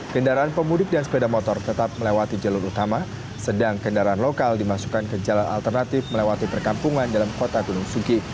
kendaraan pemudik dan sepeda motor tetap melewati jalur utama sedang kendaraan lokal dimasukkan ke jalan alternatif melewati perkampungan dalam kota gunung sugi